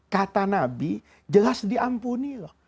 kata nabi jelas diampuni loh